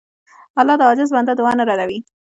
الله د عاجز بنده دعا نه ردوي.